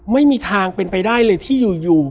ไม่มีทางเป็นไปได้เลยที่อยู่